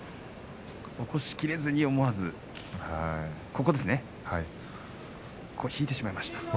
起こしきれずに、思わず引いてしまいました。